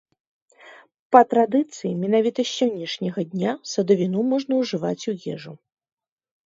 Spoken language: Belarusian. Па традыцыі, менавіта з сённяшняга дня садавіну можна ўжываць у ежу.